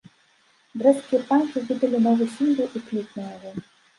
Брэсцкія панкі выдалі новы сінгл і кліп на яго.